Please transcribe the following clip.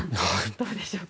どうでしょうか？